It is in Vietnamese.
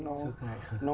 sơ khai hả